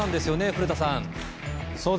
古田さん。